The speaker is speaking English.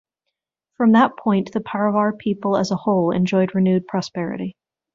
From that point the Paravar people as a whole enjoyed renewed prosperity.